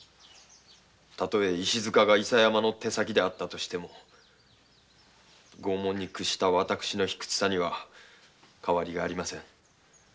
たとえ石塚が伊佐山の手先であったとしても拷問に屈した私の卑屈さには変わりありません。